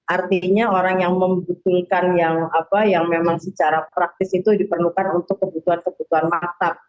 artinya orang yang membutuhkan yang memang secara praktis itu diperlukan untuk kebutuhan kebutuhan maktab